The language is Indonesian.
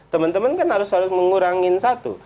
teman teman kan harus harus mengurangi satu